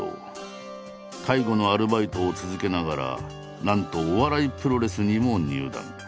介護のアルバイトを続けながらなんとお笑いプロレスにも入団。